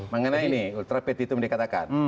mengenai ini ultra petita dikatakan